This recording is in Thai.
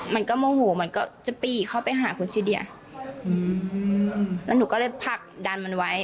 มันก็โมโหมันก็จะปีเข้าไปหาคุณซิเดียอืมแล้วหนูก็เลยผลักดันมันไว้